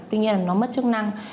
tuy nhiên là nó mất chức năng